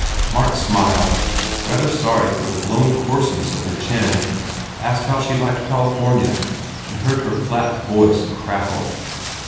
Mark smiled, rather sorry for the blown coarse ness of her chin, asked how she liked California and heard her flat voice crackle.